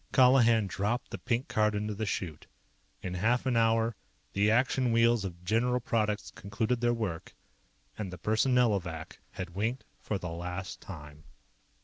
_" Colihan dropped the pink card into the chute. In half an hour, the Action wheels of General Products concluded their work, and the Personnelovac had winked for the last time.